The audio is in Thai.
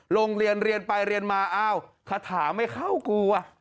โรงเรียนเรียนไปเรียนมาอ้าวคาถาไม่เข้ากลัว